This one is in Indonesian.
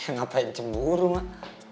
ngapain cemburu mak